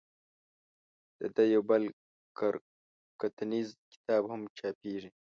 د ده یو بل کره کتنیز کتاب هم چاپېږي.